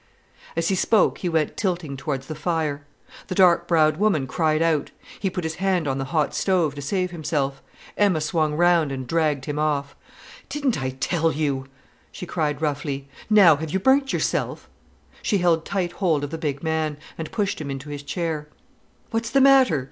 As he spoke he went tilting towards the fire. The dark browed woman cried out: he put his hand on the hot stove to save himself; Emma swung round and dragged him off. "Didn't I tell you!" she cried roughly. "Now, have you burnt yourself?" She held tight hold of the big man, and pushed him into his chair. "What's the matter?"